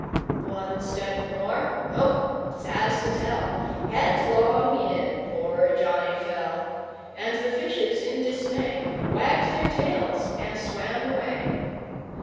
One step more! oh! sad to tell! Headlong in poor Johnny fell. And the fishes, in dismay, Wagged their tails and swam away.